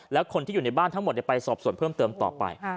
แล้วคนที่อยู่ในบ้านทั้งหมดไปสอบส่วนเพิ่มเติมต่อไป